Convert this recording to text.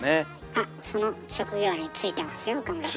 あっその職業に就いてますよ岡村さん。